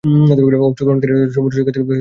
অংশগ্রহণকারীরা সমুদ্র সৈকতে দুপুরের খাবার খান।